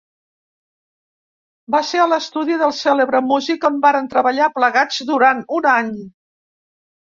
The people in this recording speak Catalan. Va ser a l'estudi del cèlebre músic on varen treballar plegats durant un any.